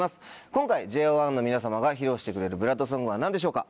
今回ＪＯ１の皆様が披露してくれるＢＬＯＯＤＳＯＮＧは何でしょうか？